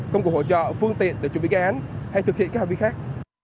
công cụ hỗ trợ phương tiện để chuẩn bị gây án hay thực hiện các hành vi khác